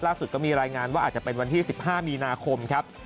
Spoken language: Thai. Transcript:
ก็มีรายงานว่าอาจจะเป็นวันที่๑๕มีนาคมครับ